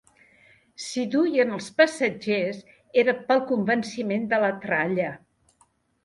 Si duien els passatgers era pel convenciment de la tralla.